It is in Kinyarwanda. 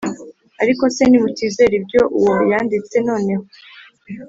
Ariko se nimutizera ibyo uwo yanditse noneho